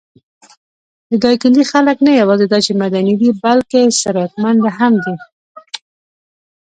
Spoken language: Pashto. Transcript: د دايکندي خلک نه یواځې دا چې معدني دي، بلکې ثروتمنده هم دي.